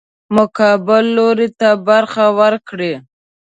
مقابل لوري ته برخه ورکړي.